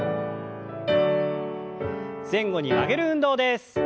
前後に曲げる運動です。